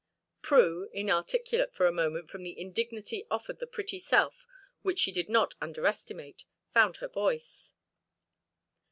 Prue, inarticulate for a moment from the indignity offered the pretty self which she did not underestimate, found her voice.